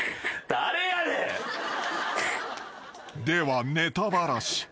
［ではネタバラシ］